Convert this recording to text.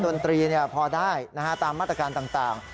ดนตรีพอได้ตามมาตรการต่าง